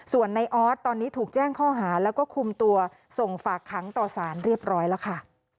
ส่วนในออสตอนนี้ถูกแจ้งข้อหาแล้วก็คุมตัวส่งฝากขังต่อสารเรียบร้อยแล้วค่ะ